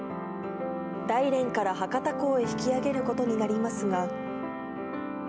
大連から博多港へ引き揚げることになりますが。